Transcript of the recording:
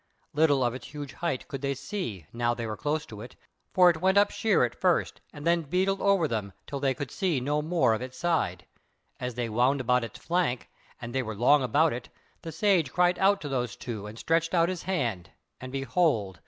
Little of its huge height could they see, now they were close to it, for it went up sheer at first and then beetled over them till they could see no more of its side; as they wound about its flank, and they were long about it, the Sage cried out to those two and stretched out his hand, and behold!